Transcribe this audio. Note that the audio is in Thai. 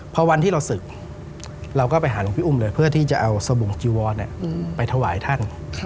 พอวันที่เราศึกเราก็ไปหาหลวงพี่อุ้มเลยเพื่อที่จะเอาสบุ่งจีวรไปถวายท่าน